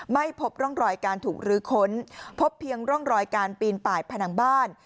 ไม่พบร่องรอยการถูกรื้อค้นพบเพียงร่องรอยการปีนป่ายผนังบ้าน